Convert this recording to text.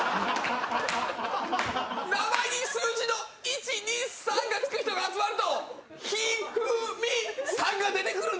名前に数字の１２３がつく人が集まると一二三さんが出てくるんだな！